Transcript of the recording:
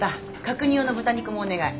角煮用の豚肉もお願い。